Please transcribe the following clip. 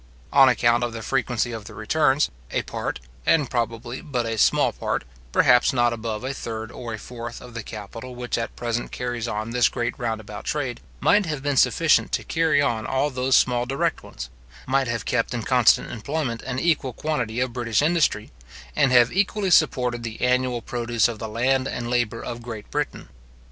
On account of the frequency of the returns, a part, and probably but a small part, perhaps not above a third or a fourth of the capital which at present carries on this great round about trade, might have been sufficient to carry on all those small direct ones; might have kept in constant employment an equal quantity of British industry; and have equally supported the annual produce of the land and labour of Great Britain.